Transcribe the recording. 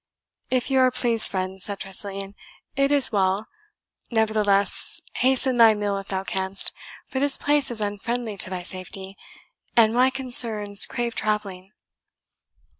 "If you are pleased, friend," said Tressilian, "it is well. Nevertheless, hasten thy meal if thou canst, For this place is unfriendly to thy safety, and my concerns crave travelling."